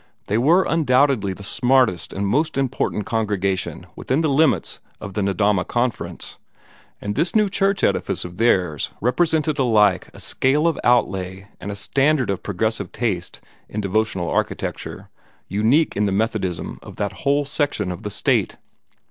They were undoubtedly the smartest and most important congregation within the limits of the Nedahma Conference, and this new church edifice of theirs represented alike a scale of outlay and a standard of progressive taste in devotional architecture unique in the Methodism of that whole section of the State.